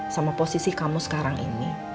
sama posisi kamu sekarang ini